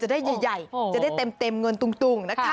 จะได้ใหญ่เห็นเต็มเงินตรงนะคะ